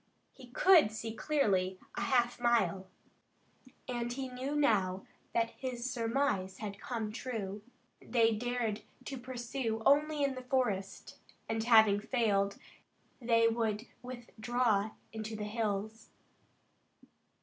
He could see clearly a half mile, and he knew now that his surmise had come true. They dared to pursue only in the forest, and having failed, they would withdraw into the hills.